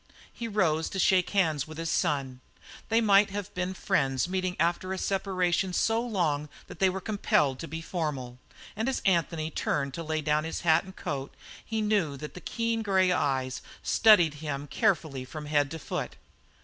He rose to shake hands with his son: they might have been friends meeting after a separation so long that they were compelled to be formal, and as Anthony turned to lay down his hat and coat he knew that the keen grey eyes studied him carefully from head to foot.